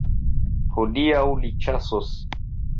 Hodiaŭ li ĉasos.